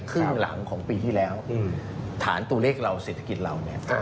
ครึ่งหลังของปีที่แล้วฐานตัวเลขเราเศรษฐกิจเราเนี่ย